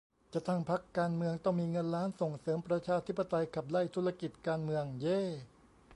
จะตั้งพรรคการเมืองต้องมีเงินล้าน ส่งเสริมประชาธิปไตย ขับไล่ธุรกิจการเมือง เย้ !